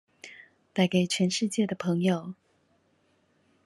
帶給全世界的朋友